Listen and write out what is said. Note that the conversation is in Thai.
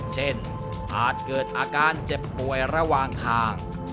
เช่นอาจเกิดอาการเจ็บป่วยระหว่างทาง